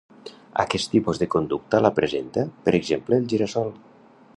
Aquest tipus de conducta la presenta, per exemple, el gira-sol.